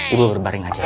ibu berbaring aja ya